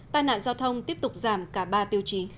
tai nạn giao thông tiếp tục giảm cả ba tiêu chí